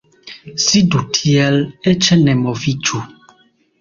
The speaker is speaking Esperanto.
Sidu tiel, eĉ ne moviĝu.